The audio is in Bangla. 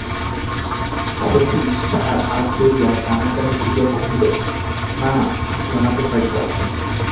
সতীশ তাহার হাত ধরিয়া টানাটানি করিয়া কহিল, না, আপনি আমাদের বাড়িতে আসুন।